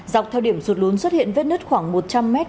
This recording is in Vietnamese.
dọc theo điểm sụt lún xuất hiện vết nứt khoảng một trăm linh mét